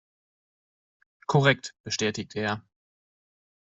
Korrekt, bestätigt er.